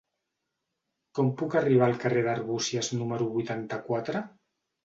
Com puc arribar al carrer d'Arbúcies número vuitanta-quatre?